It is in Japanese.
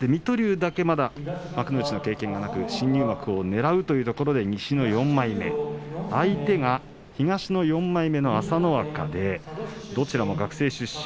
水戸龍だけまだ幕内の経験がなく新入幕をねらう中、西の４枚目相手が東の４枚目の朝乃若でどちらも学生出身。